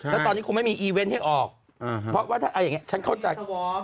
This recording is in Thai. แล้วตอนนี้คงไม่มีอีเวนต์ให้ออกเพราะว่าถ้าเอาอย่างนี้ฉันเข้าใจ